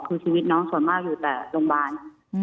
คือชีวิตน้องส่วนมากอยู่แต่โรงพยาบาล